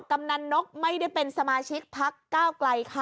กำนันนกไม่ได้เป็นสมาชิกพักก้าวไกลค่ะ